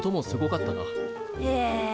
へえ。